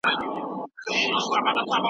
د ورورولۍ فصل پیل کړئ.